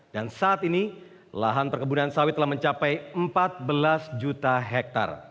dan saat ini lahan perkebunan sawit telah mencapai empat belas juta hektar